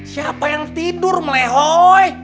siapa yang tidur melehoi